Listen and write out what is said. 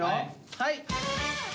はい！